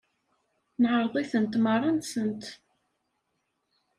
Neɛreḍ-itent merra-nsent.